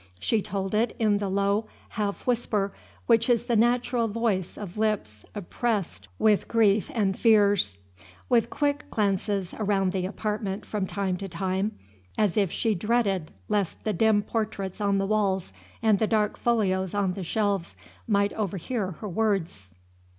She told it in the low half whisper which is the natural voice of lips oppressed wish grief and fears; with quick glances around the apartment from time to time, as if she dreaded lest the dim portraits on the walls and the dark folios on the shelves might overhear her words.